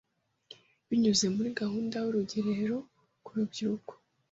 binyuze muri gahunda y’Urugerero ku rubyiruko